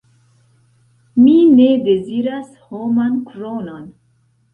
Mi ne deziras homan kronon.